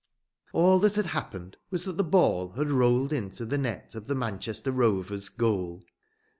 All that had happened was that the ball had rolled into the net of the Manchester Rovers' goal.